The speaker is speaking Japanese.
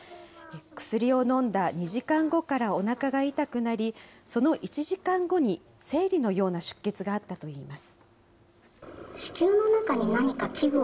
薬を飲んだ２時間後からおなかが痛くなり、その１時間後に生理のような出血があったといいます。